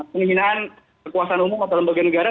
penghinaan kekuasaan umum atau lembaga negara